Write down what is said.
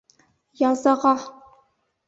Язаға.